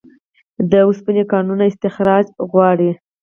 د اوسپنې کانونه استخراج غواړي